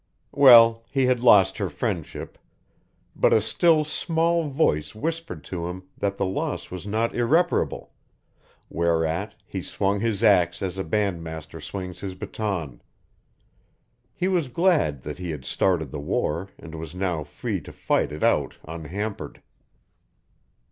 Well, he had lost her friendship, but a still small voice whispered to him that the loss was not irreparable whereat he swung his axe as a bandmaster swings his baton; he was glad that he had started the war and was now free to fight it out unhampered.